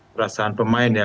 perasaan pemain ya